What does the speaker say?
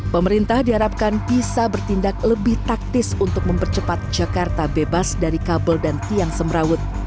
pemerintah diharapkan bisa bertindak lebih taktis untuk mempercepat jakarta bebas dari kabel dan tiang semrawut